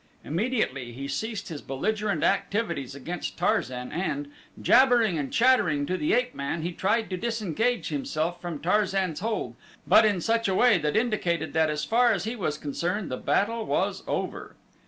Immediately he ceased his belligerent activities against Tarzan and, jabbering and chattering to the ape man, he tried to disengage himself from Tarzan's hold but in such a way that indicated that as far as he was concerned their battle was over.